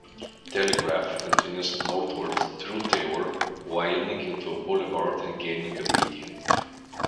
Telegraph continues northward through Taylor, widening into a boulevard and gaining a median.